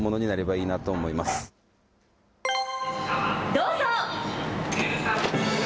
どうぞ。